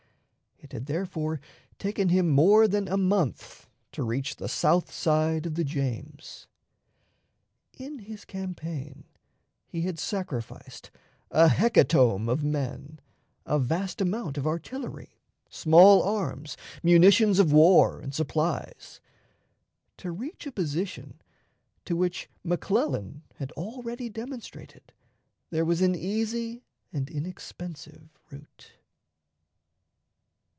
It had therefore taken him more than a month to reach the south side of the James. In his campaign he had sacrificed a hecatomb of men, a vast amount of artillery, small arms, munitions of war, and supplies, to reach a position to which McClellan had already demonstrated there was an easy and inexpensive route.